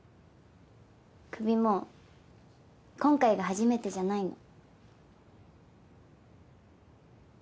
クビも今回が初めてじゃないの。